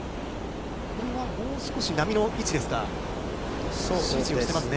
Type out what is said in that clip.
これはもう少し波の位置ですそうですね。